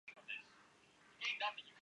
元晖多涉文史。